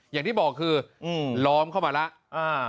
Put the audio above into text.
อย่างที่บอกคือล้อมเข้ามาแล้ว